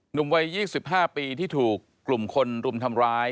หนุ่มวัย๒๕ปีที่ถูกกลุ่มคนรุมทำร้าย